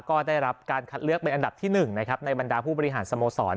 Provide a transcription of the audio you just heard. ก็ได้รับการคัดเลือกเป็นอันดับที่๑นะครับในบรรดาผู้บริหารสโมสร